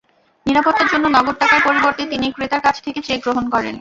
নিরাপত্তার জন্য নগদ টাকার পরিবর্তে তিনি ক্রেতার কাছ থেকে চেক গ্রহণ করেন।